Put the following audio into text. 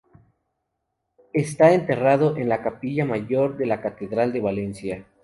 Está enterrado en la capilla mayor de la catedral de Valencia.